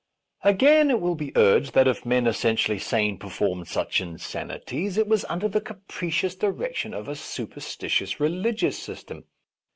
Again, it will be urged that if men essen tially sane performed such insanities, it was under the capricious direction of a super stitious religious system.